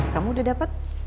kamu udah dapat